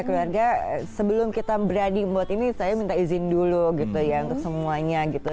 keluarga sebelum kita berani buat ini saya minta izin dulu gitu ya untuk semuanya gitu